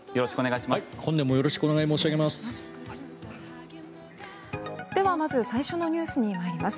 本年もよろしくお願い申し上げます。